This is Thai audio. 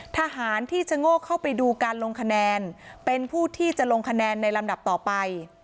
ทหารที่ชะโงกเข้าไปดูการลงคะแนนเป็นผู้ที่จะลงคะแนนในลำดับต่อไป